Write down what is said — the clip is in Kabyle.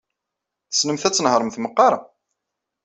Tessnemt ad tnehṛemt meqqar?